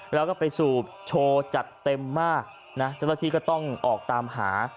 แล้วก็ไปสูบโชว์จัดเต็มมากนะเจ้าหน้าที่ก็ต้องออกตามหา